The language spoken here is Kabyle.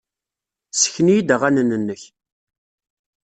Ssken-iyi-d aɣanen-nnek.